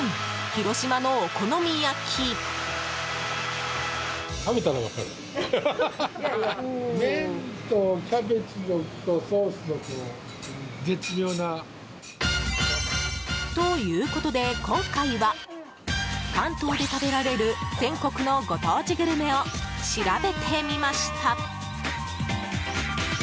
広島のお好み焼き。ということで今回は関東で食べられる全国のご当地グルメを調べてみました。